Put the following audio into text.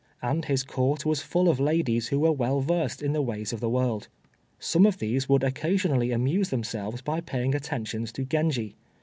And his Court was full of ladies who were well versed in the ways of the world. Some of these would occasionally amuse themselves by paying attentions to Genji.